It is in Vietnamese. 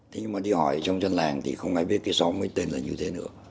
thế nhưng mà đi hỏi trong dân làng thì không ai biết cái xóm ấy tên là như thế nữa